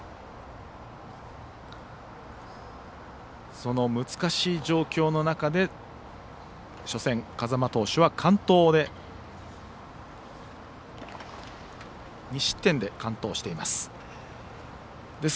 その難しい状況の中で初戦、風間投手は２失点で完投しています。